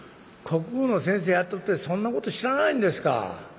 「国語の先生やっとってそんなこと知らないんですか？